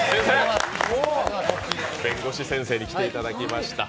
弁護士先生に来ていただきました。